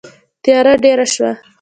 تیاره ډېره شوه.